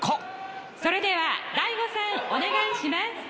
「それでは大悟さんお願いします！」